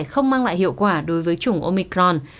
không mang lại hiệu quả đối với chủng omicron